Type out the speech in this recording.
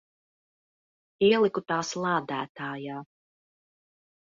Ieliku tās lādētājā.